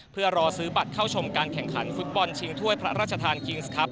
เพื่อรอซื้อบัตรเข้าชมการแข่งขันฟุตบอลชิงถ้วยพระราชทานคิงส์ครับ